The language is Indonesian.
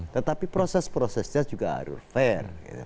tetapi proses prosesnya juga harus fair